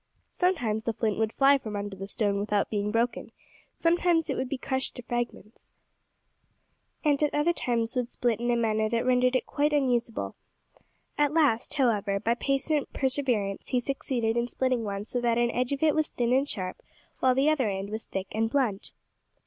Sometimes the flint would fly from under the stone without being broken, sometimes it would be crushed to fragments, and at other times would split in a manner that rendered it quite unsuitable. At last, however, by patient perseverance, he succeeded in splitting one so that an edge of it was thin and sharp, while the other end was thick and blunt.